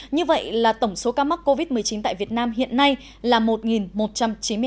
như vậy là tổng số ca mắc covid một mươi chín tại việt nam hiện nay là một một trăm chín mươi hai ca